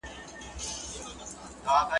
هغوی ډير وه.